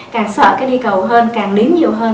càng sợ cái đi cầu hơn càng nín nhiều hơn